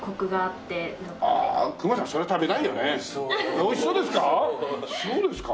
おいしそうですか？